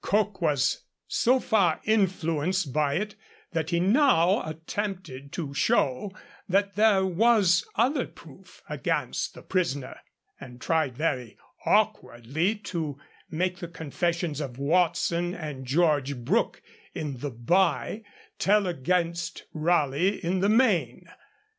Coke was so far influenced by it that he now attempted to show that there was other proof against the prisoner, and tried, very awkwardly, to make the confessions of Watson and George Brooke in the 'Bye' tell against Raleigh in the 'Main.'